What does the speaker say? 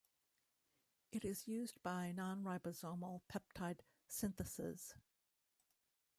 It is used by nonribosomal peptide synthases.